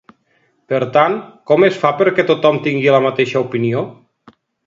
Per tant, com es fa perquè tothom tingui la mateixa opinió?